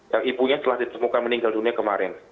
yang ibunya telah ditemukan meninggal dunia kemarin